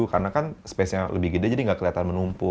karena kan spesial lebih gede jadi nggak kelihatan menumpuk